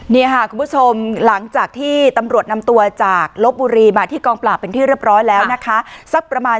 นี่ค่ะคุณผู้ชมหลังจากที่ตำรวจนำตัวจากลบบุรีมาที่กองปราบเป็นที่เรียบร้อยแล้วนะคะสักประมาณ